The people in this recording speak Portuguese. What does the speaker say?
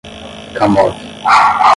Kamov